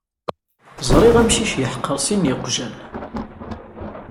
Ẓriɣ amcic yeḥqer sin n yiqjan.